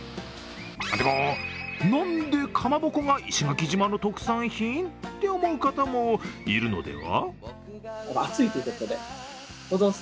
でも、何でかまぼこが石垣島の特産品？と思う方もいるのでは。